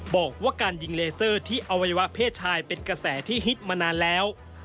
บอกว่าการยิงเลเซอร์ที่อวัยวะเพศชายเป็นกระแสที่ฮิตมานานแล้ว